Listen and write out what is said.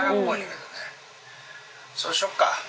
そうしよっか。